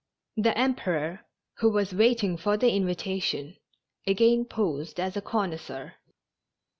The Emperor, who was waiting for the invitation, again posed as a connoisseur.